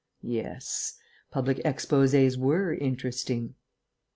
Yes, public exposés were interesting....